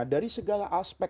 dari segala aspek